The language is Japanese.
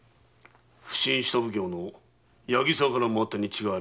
普請・下奉行の八木沢から回ったに違いあるまい。